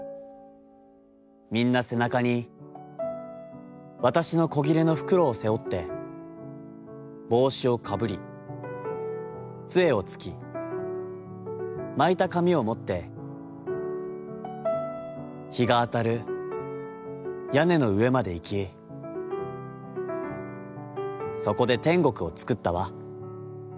みんな背中に、わたしの小布の袋を背負って、帽子をかぶり、杖をつき、巻いた紙をもって、日があたる屋根の上までいき、そこで天国をつくったわ』。